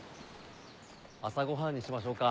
朝ごはんにしましょうか。